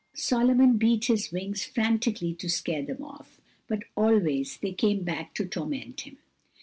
Solomon beat his wings frantically to scare them off, but always they came back again to torment him.